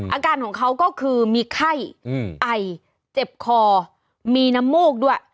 อาการของเขาก็คือมีไข้ไอเจ็บคอมีน้ำมูกด้วย